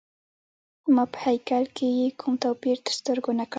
ما په هیکل کي یې کوم توپیر تر سترګو نه کړ.